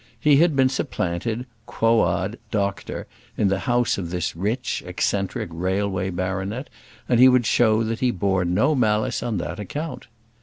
He had been supplanted, quoad doctor, in the house of this rich, eccentric, railway baronet, and he would show that he bore no malice on that account.